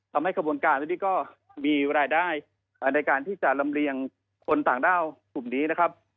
ทำให้กระบวนการที่นี่ก็มีรายได้ในการที่จะรำเรียงคนต่างด้าวภูมินี้นะครับ